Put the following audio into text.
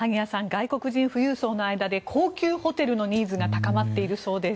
外国人富裕層の間で高級ホテルのニーズが高まっているそうです。